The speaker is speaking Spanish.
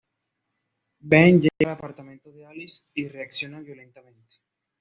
Ben llega al apartamento de Alice y reacciona violentamente.